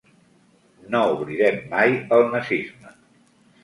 No oblidem mai el nazisme.